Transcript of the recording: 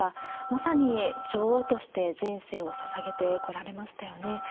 まさに女王として人生をささげてこられましたよね。